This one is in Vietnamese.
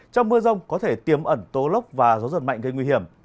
trong mưa rông có thể tiêm ẩn tố lốc và gió giật mạnh gây nguy hiểm